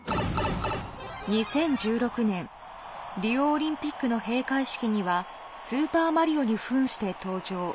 ２０１６年、リオオリンピックの閉会式には、スーパーマリオにふんして登場。